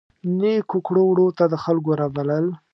نیکو کړو وړو ته د خلکو رابلل.